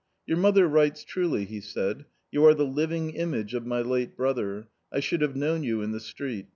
" Your mother writes truly," he said, " you are the living image of my late brother ; I should have known you in the street.